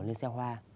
lên xe hoa